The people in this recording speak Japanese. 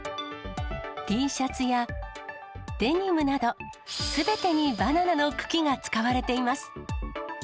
Ｔシャツやデニムなど、すべてにバナナの茎が使われています。